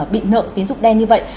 bị nợ tiến dụng đen như vậy